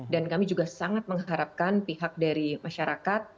dan kami juga sangat mengharapkan pihak dari masyarakat